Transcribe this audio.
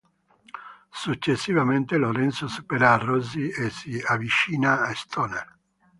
Successivamente Lorenzo supera Rossi e si avvicina a Stoner.